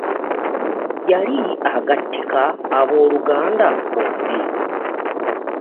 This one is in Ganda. Yali agattika ab'olugamba bombi.